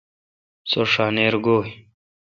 سو ݭانیر گویں۔